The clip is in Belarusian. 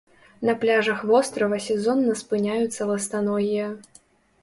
На пляжах вострава сезонна спыняюцца ластаногія.